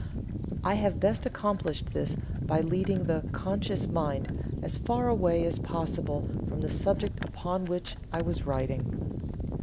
I have best accomplished this by leading the (conscious) mind as far away as possible from the subject upon which I was writing."